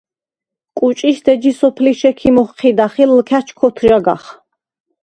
კუჭიშდ ეჯი სოფლიშ ექიმ ოხჴიდახ ი ლჷქა̈ჩ ქოთჟაგახ.